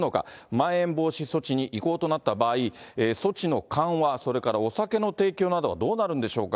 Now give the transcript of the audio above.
まん延防止措置に移行となった場合、措置の緩和、それからお酒の提供などはどうなるんでしょうか。